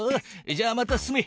じゃあまた進め。